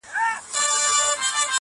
ناخبره له خزانه نڅېدلای -